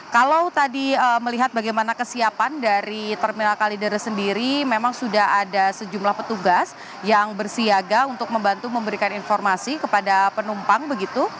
kalau tadi melihat bagaimana kesiapan dari terminal kalideres sendiri memang sudah ada sejumlah petugas yang bersiaga untuk membantu memberikan informasi kepada penumpang begitu